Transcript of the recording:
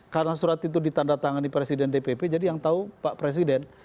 karena surat itu ditandatangani presiden dpp jadi yang tahu pak presiden